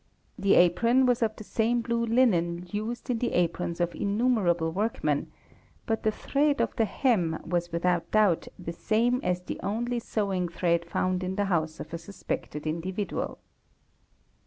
The apron was of the same blue linen used in the aprons of innumerable workmen, but the thread of the hem was without doub CLOTH, WOOLLENS, LINEN, &c. 207 the same as the only sewing thread found in the house of a suspected individual.